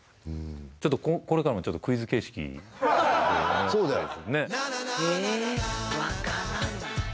ちょっとこれからもちょっとクイズ形式そうだよねっえー分からない